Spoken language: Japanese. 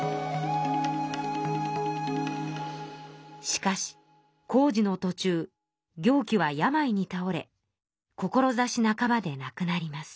しかし工事のとちゅう行基は病にたおれ志半ばでなくなります。